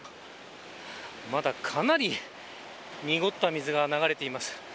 まだかなり濁った水が流れています。